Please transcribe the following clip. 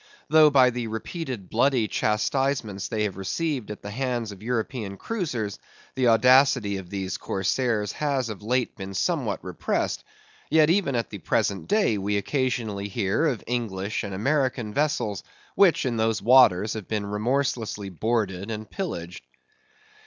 Though by the repeated bloody chastisements they have received at the hands of European cruisers, the audacity of these corsairs has of late been somewhat repressed; yet, even at the present day, we occasionally hear of English and American vessels, which, in those waters, have been remorselessly boarded and pillaged.